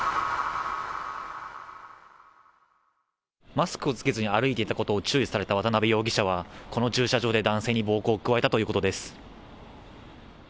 マスクを着けずに歩いていたことを注意された渡辺容疑者は、この駐車場で男性に暴行を加えたということです。